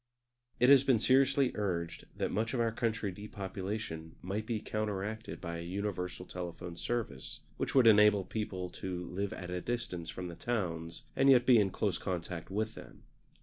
It has been seriously urged that much of our country depopulation might be counteracted by a universal telephone service, which would enable people to live at a distance from the towns and yet be in close contact with them.